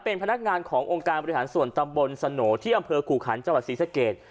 เป็นพนักงานขององค์การบริหารส่วนตำบลสโหน่ที่อำเภอขู่ขันจังหวัดศรีสะเกด